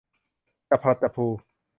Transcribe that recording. จับพลัดจับผลู